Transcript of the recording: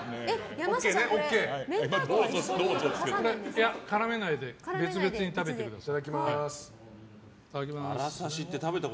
いや、絡めないで別々に食べてください。